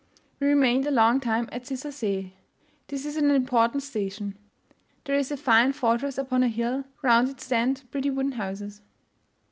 We remained a long time at Sissasse. This is an important station; there is a fine fortress upon a hill round it stand pretty wooden houses.